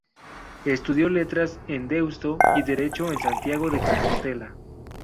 Estudió Letras en Deusto y Derecho en Santiago de Compostela.